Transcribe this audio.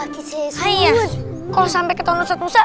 kalau sampai keton ustadz musa